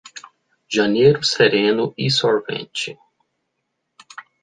Janeiro sereno e sorvete.